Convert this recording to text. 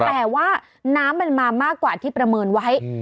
แต่ว่าน้ำมันมามากกว่าที่ประเมินไว้